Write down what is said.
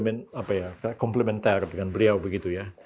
mungkin saya merupakan komplementer dengan beliau